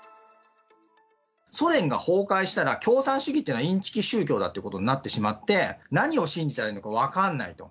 ソ連が崩壊したら、共産主義っていうのはインチキ宗教だってことになってしまって、何を信じたらいいのか分かんないと。